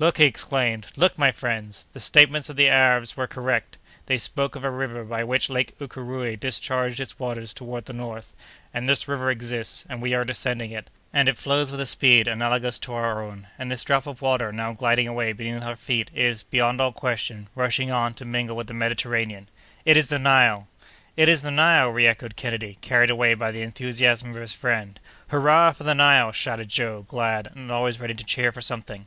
"Look!" he exclaimed, "look, my friends! the statements of the Arabs were correct! They spoke of a river by which Lake Ukéréoué discharged its waters toward the north, and this river exists, and we are descending it, and it flows with a speed analogous to our own! And this drop of water now gliding away beneath our feet is, beyond all question, rushing on, to mingle with the Mediterranean! It is the Nile!" "It is the Nile!" reëchoed Kennedy, carried away by the enthusiasm of his friend. "Hurrah for the Nile!" shouted Joe, glad, and always ready to cheer for something.